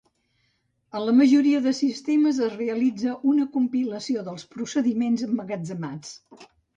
En la majoria de sistemes es realitza una compilació dels procediments emmagatzemats.